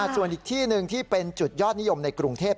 ส่วนอีกที่หนึ่งที่เป็นจุดยอดนิยมในกรุงเทพ